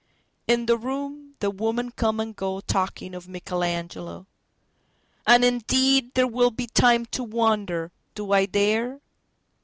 In the room the women come and goTalking of Michelangelo.And indeed there will be timeTo wonder, "Do I dare?"